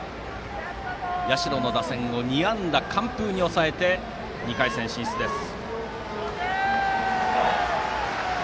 社の打線を２安打完封に抑えて２回戦進出です。